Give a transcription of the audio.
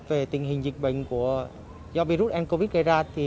về tình hình dịch bệnh do virus ncov gây ra